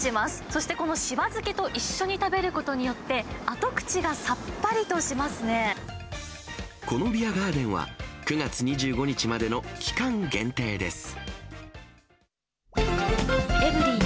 そしてこの柴漬けと一緒に食べることによって、このビアガーデンは、９月２５日までの期間限定です。